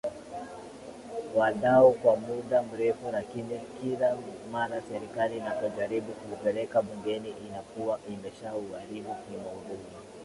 wadau kwa muda mrefu lakini kila mara Serikali inapojaribu kuupeleka Bungeni inakuwa imeshauharibu kimaudhui